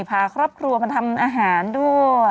พาครอบครัวมาทำอาหารด้วย